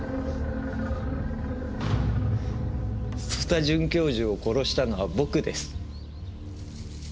曽田准教授を殺したのは僕です。